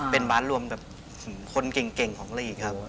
เป็นบาทรวมกับคนเก่งของลีกครับ